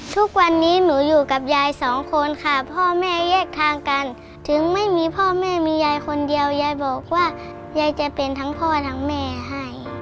ทุกวันนี้หนูอยู่กับยายสองคนค่ะพ่อแม่แยกทางกันถึงไม่มีพ่อแม่มียายคนเดียวยายบอกว่ายายจะเป็นทั้งพ่อทั้งแม่ให้